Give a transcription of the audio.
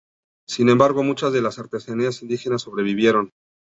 Sin embargo, muchas de las artesanías indígenas sobrevivieron.